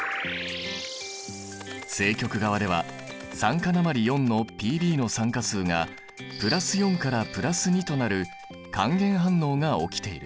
正極側では酸化鉛のＰｂの酸化数が＋４から＋２となる還元反応が起きている。